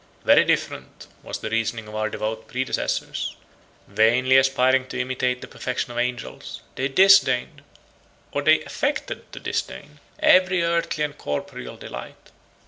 Very different was the reasoning of our devout predecessors; vainly aspiring to imitate the perfection of angels, they disdained, or they affected to disdain, every earthly and corporeal delight.